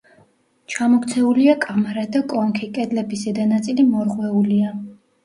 ჩამოქცეულია კამარა და კონქი; კედლების ზედა ნაწილი მორღვეულია.